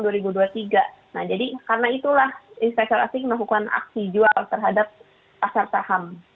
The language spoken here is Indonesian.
nah jadi karena itulah investor asing melakukan aksi jual terhadap pasar saham